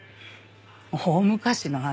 大昔の話。